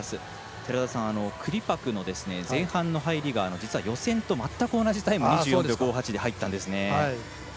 寺田さん、クリパクの前半の入りが予選と全く同じタイム、２４秒５８で入ったんですね。